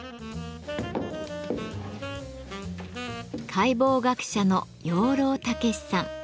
解剖学者の養老孟司さん。